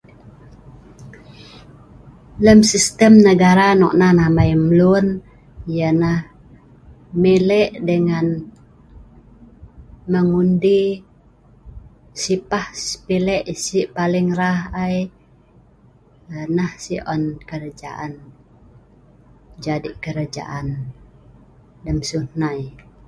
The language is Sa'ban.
Lem'sistem negara nok nan amai mlun' yeh nah milek dengan mengundi si pah pilek si paling rah ai nah si on jadi kerajaan ai lem siew nai